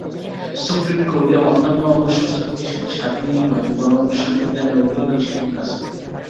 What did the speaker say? Supreme court অন্যান্য অঙ্গসংস্থা থেকে শুধু স্বাধীনই নয়, বরং সংবিধানের অভিভাবক হিসেবেও কাজ করে।